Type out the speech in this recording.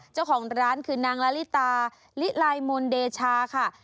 เจ้าของร้านคือนางละลิตาลิลายมนต์เดชาค่ะ